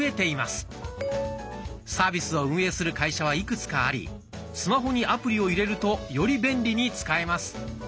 サービスを運営する会社はいくつかありスマホにアプリを入れるとより便利に使えます。